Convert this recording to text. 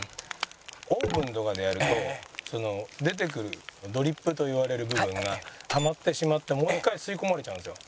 オーブンとかでやると出てくるドリップといわれる部分がたまってしまってもう一回吸い込まれちゃうんですよ。